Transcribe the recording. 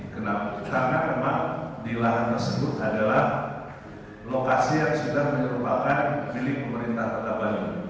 karena rumah di lahan tersebut adalah lokasi yang sudah menyerupakan milik pemerintah tata balubur